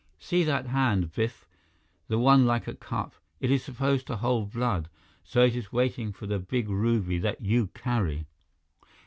See that hand, Biff, the one like a cup? It is supposed to hold blood, so it is waiting for the big ruby that you carry!"